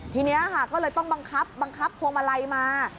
ทีนี้ค่ะก็เลยต้องบังคับบังคับพวงมาลัยมา